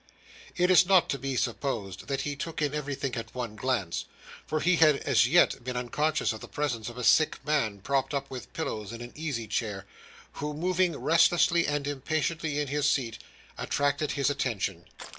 It is not to be supposed that he took in everything at one glance, for he had as yet been unconscious of the presence of a sick man propped up with pillows in an easy chair, who, moving restlessly and impatiently in his seat, attracted his attention.